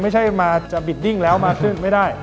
ไม่ใช่มาจะบิดดิ้งแล้วมาขึ้นไม่ได้